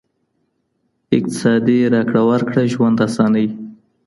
اقتصادي راکړه ورکړه ژوند اسانوي.